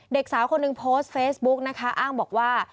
เด็กสาวคนหนึ่งโพสต์เฟซบุ๊กนะคะอ้างบอกว่า